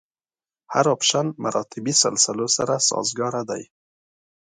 هر اپشن مراتبي سلسلو سره سازګاره دی.